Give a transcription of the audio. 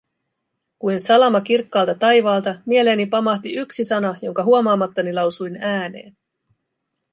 Kuin salama kirkkaalta taivaalta, mieleeni pamahti yksi sana, jonka huomaamattani lausuin ääneen: